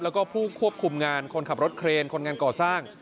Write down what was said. แล้วก็ผู้ควบคุมงานคนขับรถเครนคนงานก่อสร้าง